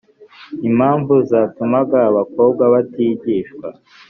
Impamvu zatumaga abakobwa batigishwa